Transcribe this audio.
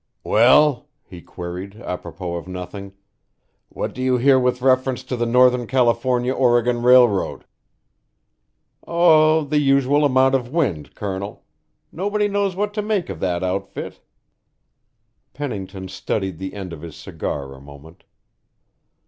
"Well," he queried, apropos of nothing, "what do you hear with reference to the Northern California Gregon Railroad?" "Oh, the usual amount of wind, Colonel. Nobody knows what to make of that outfit." Pennington studied the end of his cigar a moment.